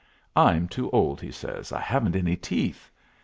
"I'm too old," he says; "I haven't any teeth.